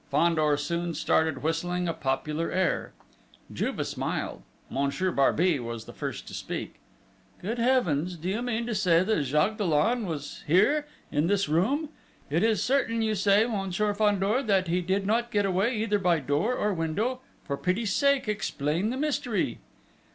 Fandor soon started whistling a popular air. Juve smiled: Monsieur Barbey was the first to speak: "Good Heavens! Do you mean to say that Jacques Dollon was here in this room!... It is certain, you say, Monsieur Fandor, that he did not get away either by door or window for pity's sake explain the mystery!"